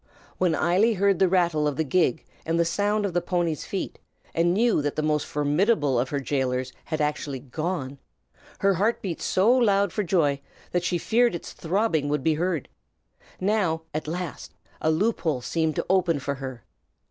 When Eily heard the rattle of the gig and the sound of the pony's feet, and knew that the most formidable of her jailers was actually gone, her heart beat so loud for joy that she feared its throbbing would be heard. Now, at last, a loop hole seemed to open for her.